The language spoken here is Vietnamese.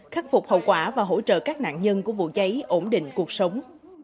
khắc phục hậu quả và hỗ trợ các nạn nhân của vụ cháy ổn định cuộc sống